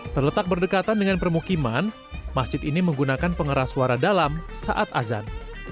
terletak berdekatan dengan permukiman masjid ini menggunakan pengeras suara dalam saat azan